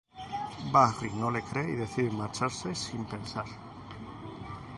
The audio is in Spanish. Barry no le cree y decide marcharse sin pensar.